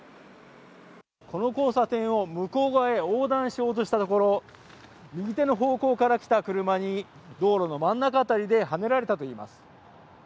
この交差点を向こう側へ横断しようとしたところ右手の方向から来た車に道路の真ん中辺りではねられたといいます。